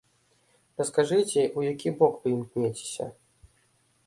Раскажыце, у які бок вы імкнецеся?